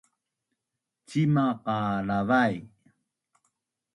Cimaq qa lavai?